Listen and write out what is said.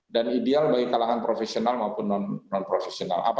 dan ideal bagi kalangan profesional maupun non profesional